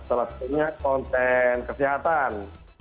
selepas itu konten kesehatan